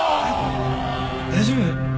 大丈夫？